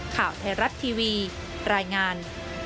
ข่าวไทยรัฐทีวีรายงาน